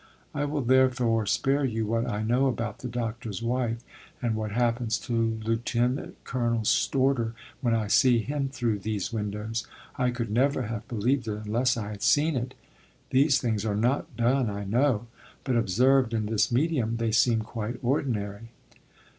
I will therefore spare you what I know about the Doctor's wife, and what happens to Lieutenant Colonel Storter when I see him through these windows I could never have believed it unless I had seen it. These things are not done, I know; but observed in this medium they seem quite ordinary.